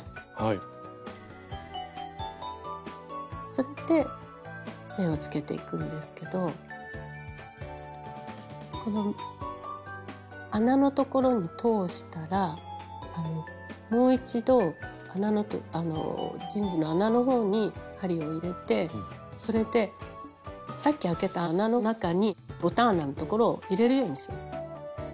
それで目をつけていくんですけどこの穴のところに通したらもう一度ジーンズの穴のほうに針を入れてそれでさっきあけた穴の中にボタン穴のところを入れるようにします。